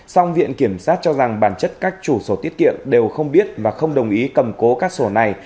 song viện kiểm sát cho rằng bản chất các chủ sổ tiết kiệm đều không biết và không đồng ý cầm cố các sổ này